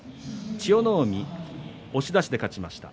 千代の海、押し出しで勝ちました。